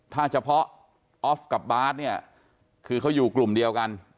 ถ้าเฉพาะออฟกับบาร์ดเนี่ยคือเขาอยู่กลุ่มเดียวกัน